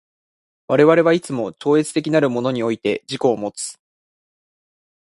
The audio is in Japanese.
我々はいつも超越的なるものにおいて自己をもつ。